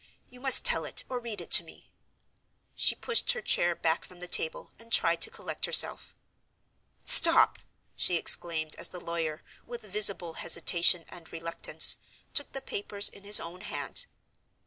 "You must tell it, or read it to me." She pushed her chair back from the table, and tried to collect herself. "Stop!" she exclaimed, as the lawyer, with visible hesitation and reluctance, took the papers in his own hand.